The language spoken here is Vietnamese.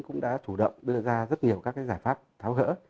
cũng đã thủ động đưa ra rất nhiều các cái giải pháp tháo hỡ